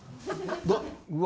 うわ。